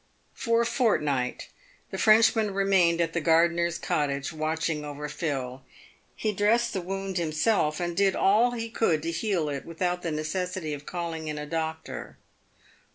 For a fortnight the Frenchman remained at the gardener's cottage, watching over Phil. He dressed the wound himself,' and did all he could to heal it without the necessity of calling in a doctor.